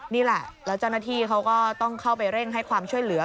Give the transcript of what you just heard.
นี่แหละแล้วเจ้าหน้าที่เขาก็ต้องเข้าไปเร่งให้ความช่วยเหลือ